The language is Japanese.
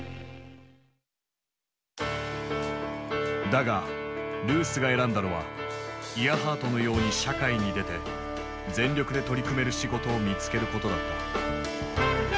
だがルースが選んだのはイアハートのように社会に出て全力で取り組める仕事を見つけることだった。